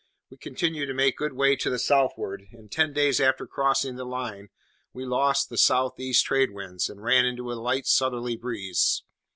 We continued to make good way to the southward, and ten days after crossing the line we lost the south east trade winds, and ran into a light southerly breeze.